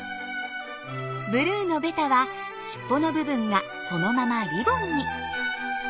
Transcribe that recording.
ブルーのベタはしっぽの部分がそのままリボンに。